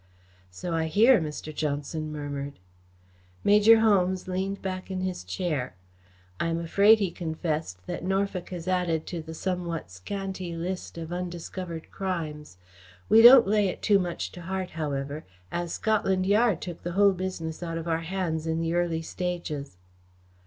"So I hear," Mr. Johnson murmured. Major Holmes leaned back in his chair. "I am afraid," he confessed, "that Norfolk has added to the somewhat scanty list of undiscovered crimes. We don't lay it too much to heart, however, as Scotland Yard took the whole business out of our hands in the early stages."